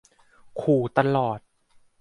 ขู่ตลอด